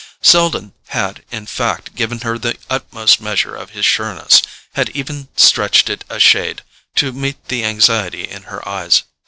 Selden had in fact given her the utmost measure of his sureness, had even stretched it a shade to meet the anxiety in her eyes.